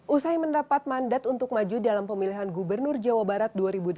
usai mendapat mandat untuk maju dalam pemilihan gubernur jawa barat dua ribu delapan belas